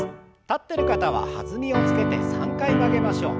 立ってる方は弾みをつけて３回曲げましょう。